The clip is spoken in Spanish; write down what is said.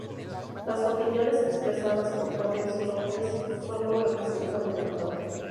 Las opiniones expresadas por Torres López solo representan al autor".